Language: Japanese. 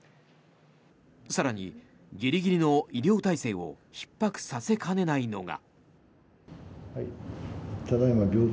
更にギリギリの医療体制をひっ迫させかねないのが。